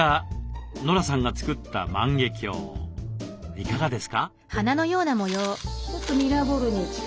いかがですか？